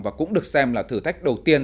và cũng được xem là thử thách đầu tiên